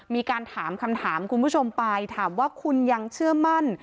มีการถามคำถามคุณผู้ชมไปถามว่าคุณยังเชื่อมั่น